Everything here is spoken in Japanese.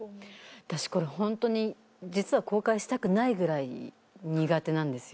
私これホントに実は公開したくないぐらい苦手なんですよ。